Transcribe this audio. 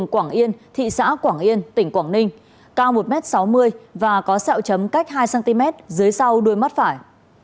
quảng yên thị xã quảng yên tỉnh quảng ninh cao một m sáu mươi và có sẹo chấm cách hai cm dưới sau đuôi mắt phải